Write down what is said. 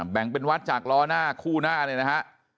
แบ่งเป็นวัดจากล้อหน้าคู่หน้าเนี่ยนะฮะ